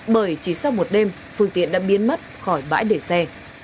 bởi chỉ sau một đêm phương tiện đã biến mất khỏi bãi để xe